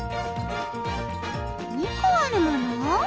２こあるもの？